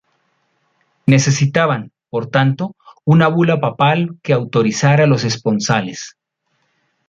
Necesitaban, por tanto, una bula papal que autorizara los esponsales.